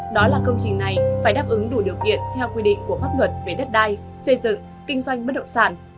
đó là công trình này phải đáp ứng đủ điều kiện theo quy định của pháp luật về đất đai xây dựng kinh doanh bất động sản